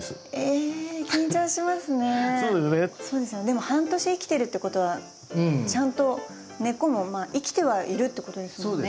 でも半年生きてるってことはちゃんと根っこも生きてはいるってことですもんね。